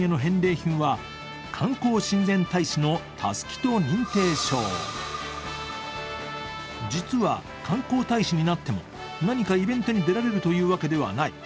実は観光親善大使になっても何かイベントに出られるというわけではない。